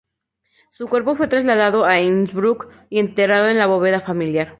Su cuerpo fue trasladado a Innsbruck y enterrado en la bóveda familiar.